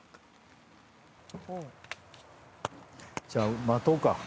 じゃあ待とうか。